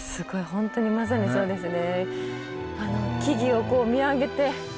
本当にまさにそうですね。